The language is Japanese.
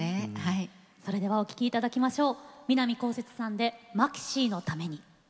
それではお聴きいただきましょう。